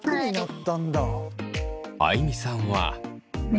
あいみさんは。